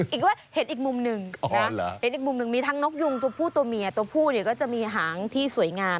อีกด้วยเห็นอีกมุมหนึ่งนะเห็นอีกมุมหนึ่งมีทั้งนกยุงตัวผู้ตัวเมียตัวผู้เนี่ยก็จะมีหางที่สวยงาม